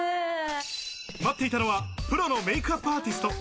待っていたのはプロのメイクアップアーティスト。